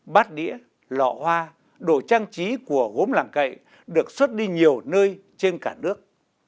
bát đĩa lọ hoa đồ trang trí của gốm làng cậy được xuất đi nhiều nơi trên cả nước